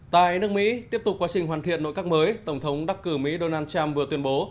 tại nước mỹ tiếp tục quá trình hoàn thiện nội các mới tổng thống đắc cử mỹ donald trump vừa tuyên bố